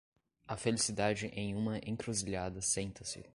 A felicidade em uma encruzilhada senta-se.